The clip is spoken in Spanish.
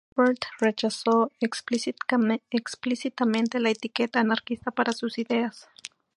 Herbert rechazó explícitamente la etiqueta "anarquista" para sus ideas.